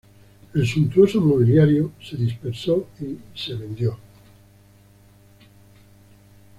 El suntuoso mobiliario se dispersó y se vendió.